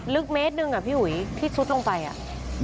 ลึกเมตรหนึ่งอ่ะพี่อุ๋ยที่ซุดลงไปอ่ะ